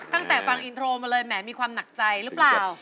ตั้งแต่ฟังอินโทรมาเลยแม่มีความหนักใจรึเปล่า